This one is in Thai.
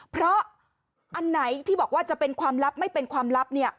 เพราะอันไหนที่บอกว่าจะเป็นความลับไม่เป็นความลับ